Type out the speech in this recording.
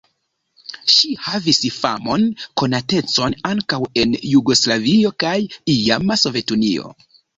Ŝi havis famon, konatecon ankaŭ en Jugoslavio kaj iama Sovetunio.